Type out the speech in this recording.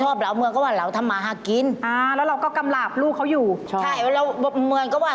หนึ่งมากเหมือนกันเว้ยอุ๊มดีอุ๊มดี